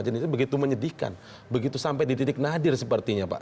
jadi begitu menyedihkan begitu sampai dididik nadir sepertinya pak